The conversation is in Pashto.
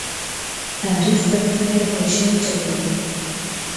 تاریخ د خیر او شر جګړه ده.